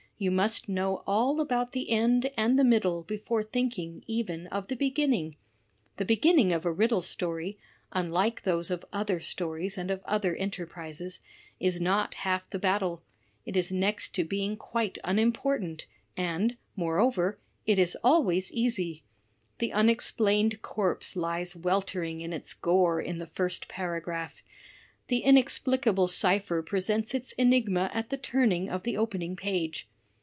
You must know all about the end and the middle before thinking, even, of the beginning; the beginning of a riddle story, unlike those of other stories and of other enterprises, is not half the battle; it is next to being quite imimportant, and, moreover, it is always easy. The unexplained corpse lies weltering in its gore in the first paragraph; the inexplicable cipher presents its enigma at the turning of the opening page.